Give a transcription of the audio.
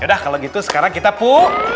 yaudah kalau gitu sekarang kita pu